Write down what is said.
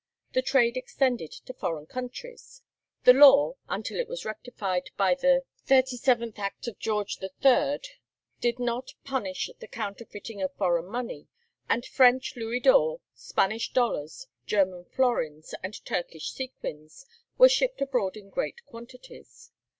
The trade extended to foreign countries. The law, until it was rectified by the 37 Geo. III. cap. 126, did not punish the counterfeiting of foreign money, and French louis d'or, Spanish dollars, German florins, and Turkish sequins were shipped abroad in great quantities.